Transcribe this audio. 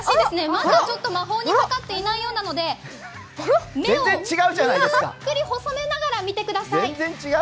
まだ魔法にかかっていないようなので、目をゆっくり細めながら見てください。